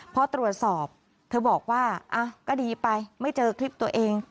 พอตรวจสอบเธอบอกว่าก็ดีไปไม่เจอคลิปตัวเอง